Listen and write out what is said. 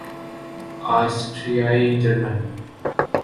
آسٹریائی German